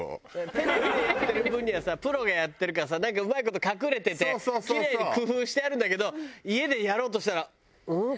テレビでやってる分にはさプロがやってるからさなんかうまい事隠れててキレイに工夫してあるんだけど家でやろうとしたらうん？